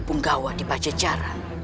penggawa di pajajara